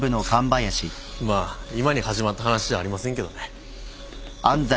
まあ今に始まった話じゃありませんけどね。